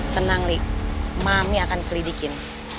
tenang nih mami akan selidikin